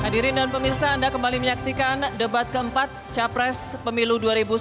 hadirin dan pemirsa anda kembali menyaksikan debat keempat capres pemilu dua ribu sembilan belas